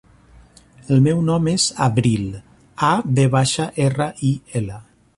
El meu nom és Avril: a, ve baixa, erra, i, ela.